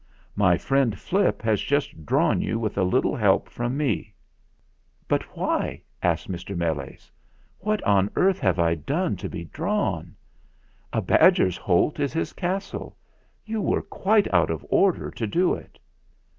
"My friend Flip has just drawn you with a little help from me." "But why?" asked Mr. Meles; "what on earth have I done to be drawn? A badger's holt is his castle. You were quite out of order to do it."